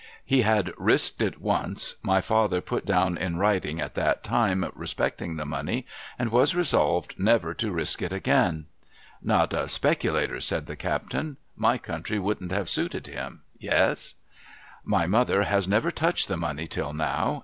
He had risked it once— my father put down in writing at that time, respeclin.i( the money— and was resolved never to risk it again.' ' Not a si)er'lator,' said the captain. ' My country wouldn't have suited him. Yes ?'' My mother has never touched the money till now.